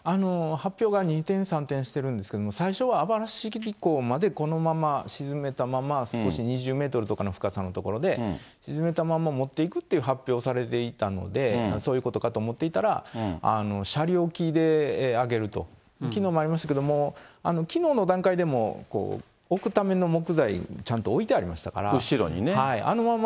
発表が二転三転してるんですけど、最初は網走港まで、このまま沈めたまま、少し２０メートルとかの深さの所で、沈めたまま持っていくというふうに発表されていたので、そういうことかと思っていたら、斜里沖で揚げると、きのうもありましたけど、きのうの段階でも、置くための木材、ちゃんと置いてありましたから。